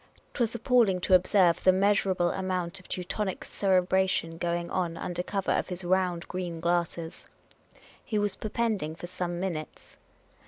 'T was appalling to observe the measurable amount of Teu tonic cerebration going on under cover of his round, green glasses. He was perpending for some minutes.